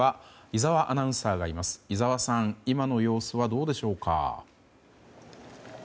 井澤さん、今の様子はどうでしょうか。